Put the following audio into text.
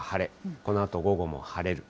このあと午後も晴れる。